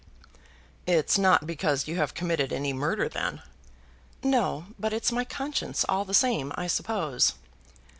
"It's not because you have committed any murder then." "No; but it's my conscience all the same, I suppose."